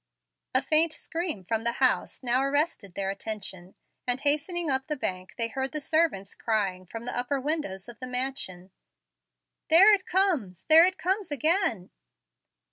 A faint scream from the house now arrested their attention, and hastening up the bank they heard the servants crying from the upper windows of the mansion, "There it comes! there it comes again!"